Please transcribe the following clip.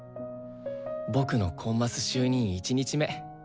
僕のコンマス就任１日目。